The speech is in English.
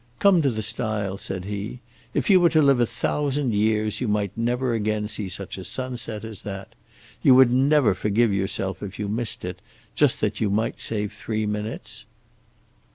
"Come to the stile," said he. "If you were to live a thousand years you might never again see such a sunset as that. You would never forgive yourself if you missed it, just that you might save three minutes."